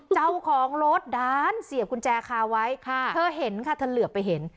เจ้าของรถด้านเสียบกุญแจคาไว้ค่ะเธอเห็นค่ะเธอเหลือไปเห็น